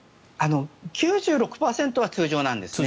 ９６％は通常なんですね。